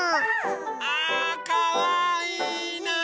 あかわいいなあ！